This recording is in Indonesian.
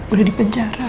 udah di penjara